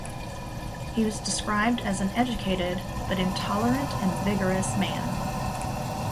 He was described as an educated, but intolerant and vigorous man.